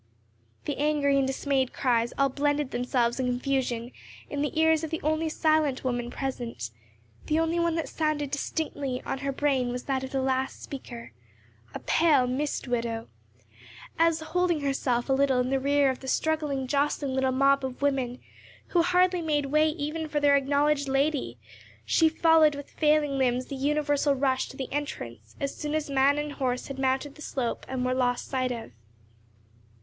The angry and dismayed cries all blended themselves in confusion in the ears of the only silent woman present; the only one that sounded distinctly on her brain was that of the last speaker, "A pale, mist widow," as, holding herself a little in the rear of the struggling, jostling little mob of women, who hardly made way even for their acknowledged lady, she followed with failing limbs the universal rush to the entrance as soon as man and horse had mounted the slope and were lost sight of.